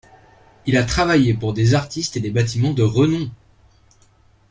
Il a travaille pour des artistes et des bâtiments de renom.